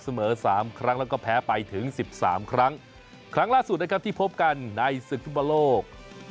เสมอ๓ครั้งแล้วก็แพ้ไปถึง๑๓ครั้งครั้งล่าสุดนะครับที่พบกันในศึกฟุตบอลโลก